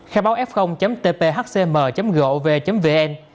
khai báo f tphcm gov vn